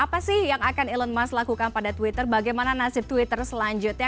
apa sih yang akan elon musk lakukan pada twitter bagaimana nasib twitter selanjutnya